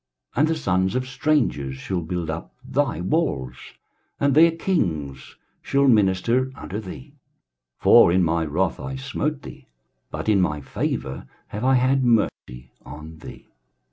23:060:010 And the sons of strangers shall build up thy walls, and their kings shall minister unto thee: for in my wrath I smote thee, but in my favour have I had mercy on thee.